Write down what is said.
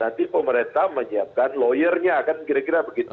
nanti pemerintah menyiapkan lawyernya kan kira kira begitu